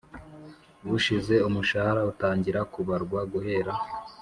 gushize Umushahara utangira kubarwa guhera